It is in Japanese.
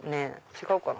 違うかな？